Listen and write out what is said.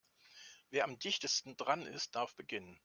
Wer am dichtesten dran ist, darf beginnen.